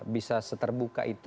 bisa seterbuka itu